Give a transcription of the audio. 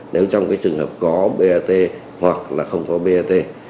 nếu trong trường hợp có bat hoặc không có bat